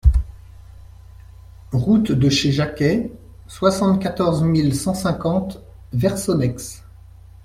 Route de Chez Jacquet, soixante-quatorze mille cent cinquante Versonnex